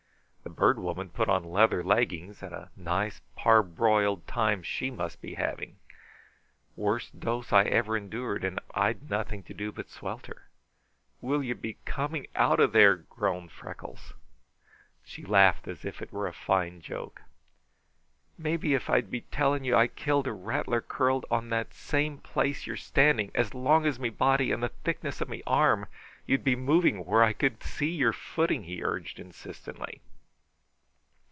The Bird Woman put on leather leggings, and a nice, parboiled time she must be having! Worst dose I ever endured, and I'd nothing to do but swelter." "Will you be coming out of there?" groaned Freckles. She laughed as if it were a fine joke. "Maybe if I'd be telling you I killed a rattler curled upon that same place you're standing, as long as me body and the thickness of me arm, you'd be moving where I can see your footing," he urged insistently.